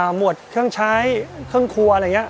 หมวดเครื่องใช้เครื่องครัวอะไรอย่างนี้